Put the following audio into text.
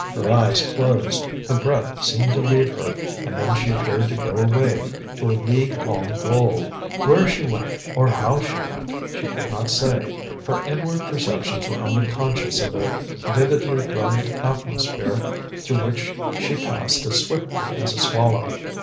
Her eyes closed, her breath seemed to leave her, and then she appeared to go away to a league long goal. Where she went, or how she went, she could not say. Her inward perceptions were only conscious of a vividly brilliant atmosphere through which she passed as swiftly as a swallow.